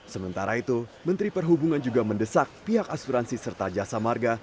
sementara itu menteri perhubungan juga mendesak pihak asuransi serta jasa marga